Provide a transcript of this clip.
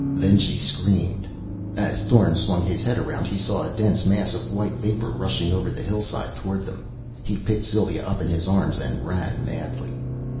Then she screamed. As Thorn swung his head around, he saw a dense mass of white vapor rushing over the hillside toward them. He picked Sylva up in his arms and ran madly....